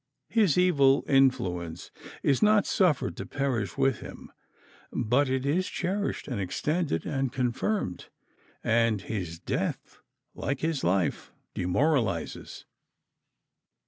His evil influence is not suffered to perish with him, but it is cherished and extended and confirmed, and his death, like his life, demoralizes.